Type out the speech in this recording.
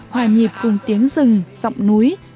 hòa nhịp cùng tiếng rừng giọng núi